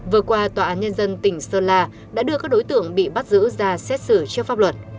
vừa qua tòa án nhân dân tỉnh sơn la đã đưa các đối tượng bị bắt giữ ra xét xử trước pháp luật